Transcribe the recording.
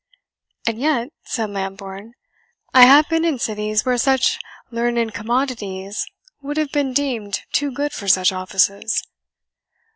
"And yet," said Lambourne, "I have been in cities where such learned commodities would have been deemed too good for such offices."